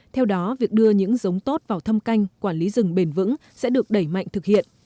theo đó việc đưa những giống tốt vào thâm canh quản lý rừng bền vững sẽ được đẩy mạnh thực hiện